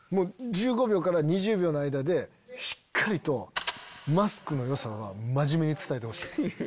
１５秒から２０秒の間でしっかりと『マスク』の良さは真面目に伝えてほしい。